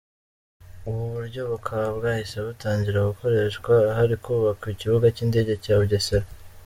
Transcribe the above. Ubu buryo bukaba bwahise butangira gukoreshwa ahari kubakwa Ikibuga cy’Indege cya Bugesera.